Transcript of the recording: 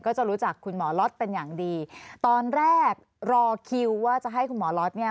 ก็จะรู้จักคุณหมอล็อตเป็นอย่างดีตอนแรกรอคิวว่าจะให้คุณหมอล็อตเนี่ย